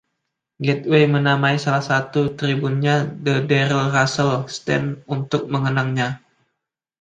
Gateway menamai salah satu tribunnya "The Darrell Russell Stand" untuk mengenangnya.